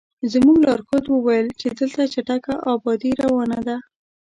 زموږ لارښود وویل چې دلته چټکه ابادي روانه ده.